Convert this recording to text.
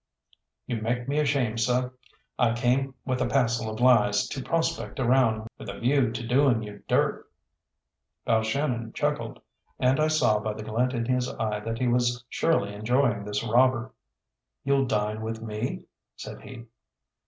"You make me ashamed, seh. I came with a passel of lies, to prospect around with a view to doing you dirt." Balshannon chuckled, and I saw by the glint in his eye that he was surely enjoying this robber. "You'll dine with me?" said he.